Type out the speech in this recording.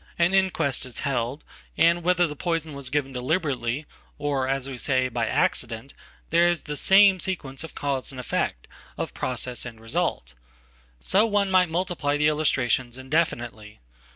Aninquest is held, and whether the poison was given deliberately, or, as we say, by accident, there is the same sequence of cause andeffect, of process and result. So one might multiply theillustrations indefinitely.